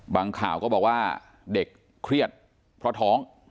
ข่าวก็บอกว่าเด็กเครียดเพราะท้อง